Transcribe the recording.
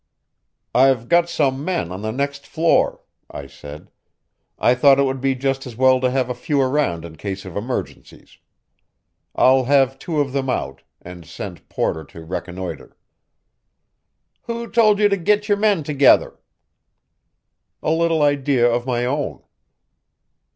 "I've got some men on the next floor," I said. "I thought it would be just as well to have a few around in case of emergencies. I'll have two of them out, and send Porter to reconnoiter." "Who told you to git your men together?" "A little idea of my own."